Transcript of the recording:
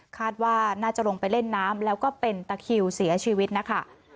คาดว่าน่าจะลงไปเล่นน้ำแล้วก็เป็นตะคิวเสียชีวิตนะคะ